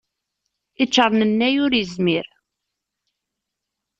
Iččernennay ur izmir.